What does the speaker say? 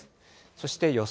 そして予想